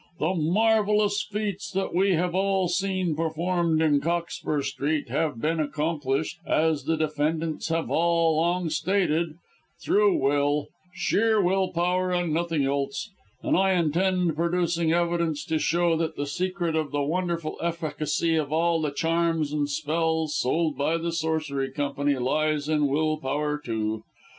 The marvellous feats that we have all seen performed in Cockspur Street have been accomplished as the defendants have all along stated through will sheer will power and nothing else; and I intend producing evidence to show that the secret of the wonderful efficacy of all the charms and spells sold by the Sorcery Company, lies in will power also.